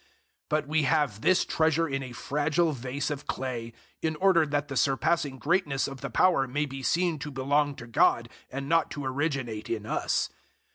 004:007 But we have this treasure in a fragile vase of clay, in order that the surpassing greatness of the power may be seen to belong to God, and not to originate in us.